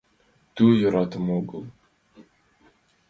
Тул йӧртымӧ огыл.